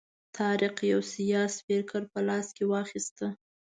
طارق یو سیار سپیکر په لاس کې واخیست.